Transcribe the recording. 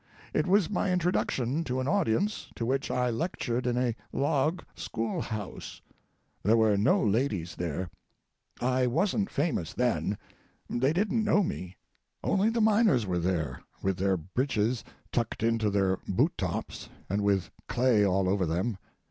It was my introduction to an audience to which I lectured in a log school house. There were no ladies there. I wasn't famous then. They didn't know me. Only the miners were there, with their breeches tucked into their boottops and with clay all over them.